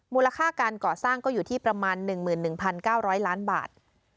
มูลค่าการก่อสร้างก็อยู่ที่ประมาณ๑๑๙๐๐ล้านบาท